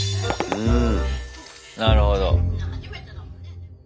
うん。